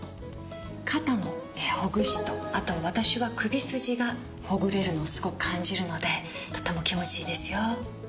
肩のほぐしとあと私は首筋がほぐれるのをすごく感じるのでとても気持ちいいですよ。